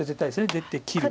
出て切る。